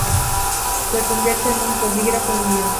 Se convierte en un polígrafo viviente.